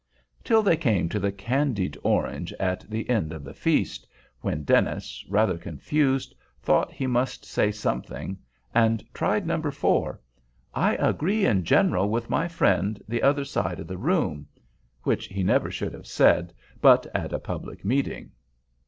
till they came to the candied orange at the end of the feast—when Dennis, rather confused, thought he must say something, and tried No. 4—"I agree, in general, with my friend the other side of the room"—which he never should have said but at a public meeting.